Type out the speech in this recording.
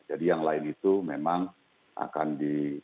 jadi yang lain itu memang akan di